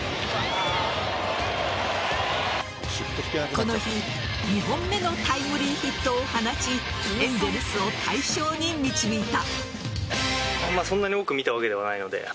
この日２本目のタイムリーヒットを放ちエンゼルスを大勝に導いた。